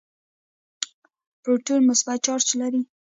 پروټون مثبت چارج لري.